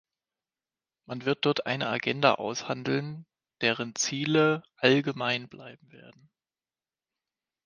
Man wird dort eine Agenda aushandeln, deren Ziele allgemein bleiben werden.